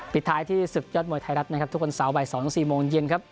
ปิดท้ายที่ศึกยอดมวยไทยรัฐนะครับทุกคนสาวบ่ายสองสองสี่โมงเย็นครับ